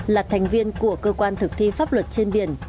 là thành viên của cơ quan thực thi pháp luật trên biển